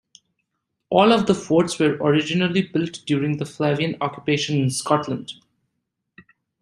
All of the forts were originally built during the Flavian occupation in Scotland.